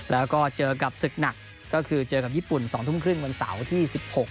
แล้วก็เจอกับศึกหนักก็คือเจอกับญี่ปุ่น๒ทุ่มครึ่งวันเสาร์ที่๑๖